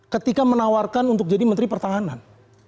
ketika menawarkan untuk jadi menteri pertahanan